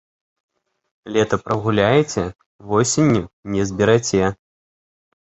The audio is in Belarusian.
Лета прагуляеце – восенню не збераце